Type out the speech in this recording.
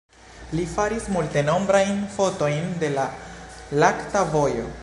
Li faris multenombrajn fotojn de la lakta vojo.